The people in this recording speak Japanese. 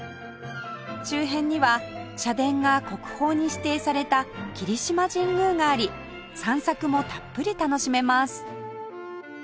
周辺には社殿が国宝に指定された霧島神宮があり散策もたっぷり楽しめます